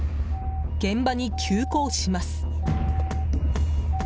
現場に急行します。